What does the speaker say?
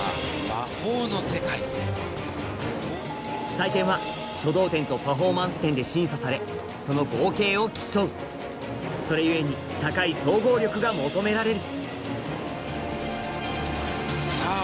採点は書道点とパフォーマンス点で審査されその合計を競うそれ故に高い総合力が求められる